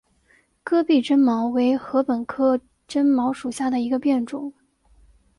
戈壁针茅为禾本科针茅属下的一个变种。